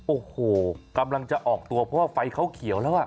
โอ้โหกำลังจะออกตัวเพราะว่าไฟเขาเขียวแล้วอ่ะ